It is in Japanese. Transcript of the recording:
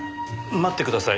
待ってください。